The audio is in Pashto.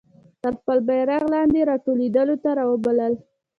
تر خپل بیرغ لاندي را ټولېدلو ته را وبلل.